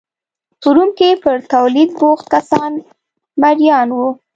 په روم کې پر تولید بوخت کسان مریان وو